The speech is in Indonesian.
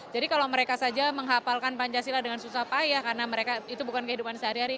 jadi kalau mereka saja menghapalkan pancasila dengan susah payah karena mereka itu bukan kehidupan sehari hari